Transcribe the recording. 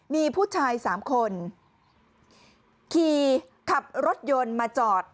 มีผู้ชายสามคนขี่ขับรถยนต์มาจอด